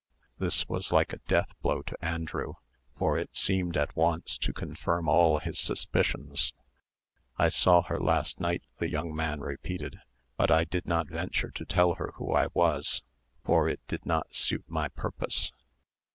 This was like a death blow to Andrew; for it seemed at once to confirm all his suspicions. "I saw her last night," the young man repeated; "but I did not venture to tell her who I was, for it did not suit my purpose."